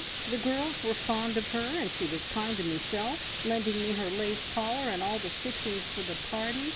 The girls were fond of her, and she was kind to meself, lending me her lace collar and all the fixings for the party.